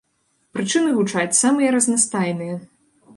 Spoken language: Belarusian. Прычыны гучаць самыя разнастайныя.